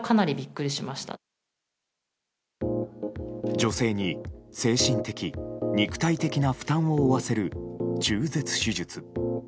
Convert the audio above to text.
女性に精神的、肉体的な負担を負わせる中絶手術。